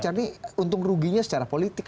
jadi untung ruginya secara politik